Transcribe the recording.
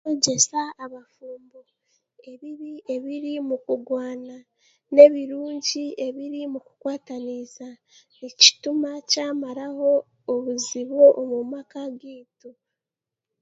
Kwegyesa abafumbo ebiibi ebiri omukurwaana n'ebirungi ebiri mukukwataniisa nikituma kyamaraho obizibu omu maaka geitu.